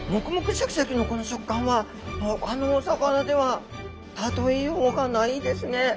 シャキシャキのこの食感はほかのお魚では例えようがないですね。